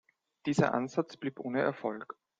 Dieser Ansatz blieb ohne Erfolg.